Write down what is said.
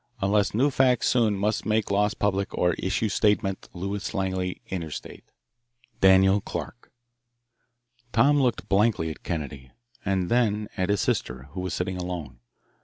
Unless new facts soon must make loss public or issue statement Lewis Langley intestate. DANIEL CLARK Tom looked blankly at Kennedy, and then at his sister, who was sitting alone.